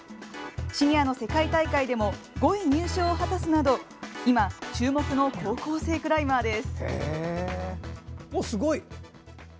シニアの世界大会でも５位入賞を果たすなど今、注目の高校生クライマーです。